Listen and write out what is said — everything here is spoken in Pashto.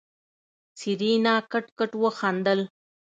سېرېنا کټ کټ وخندل.